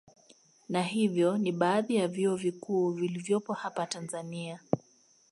Na hivyo ni baadhi ya vyuo vikuu vilivyopo hapa Tanzania